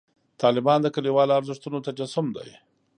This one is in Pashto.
طالبان د کلیوالو ارزښتونو تجسم دی.